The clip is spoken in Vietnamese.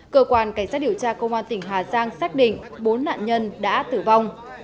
cơ quan cảnh sát điều tra công an tỉnh hà giang xác định bốn nạn nhân đã tử vong